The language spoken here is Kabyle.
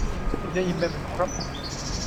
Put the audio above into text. Tella yemma-m deg wexxam?